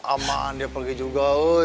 aman dia pake juga woy